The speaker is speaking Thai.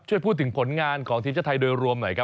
ช่วยพูดถึงผลงานของทีมชาติไทยโดยรวมหน่อยครับ